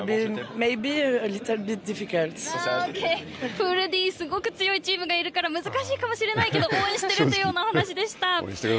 プールＤ、すごく強いチームがいるから難しいかもしれないけど応援してるというようなお話しでした。